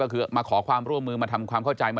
ที่เขาบวชหนักแล้วเนี่ย